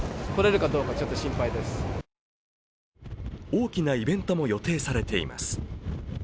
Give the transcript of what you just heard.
大きなイベントも予定されています。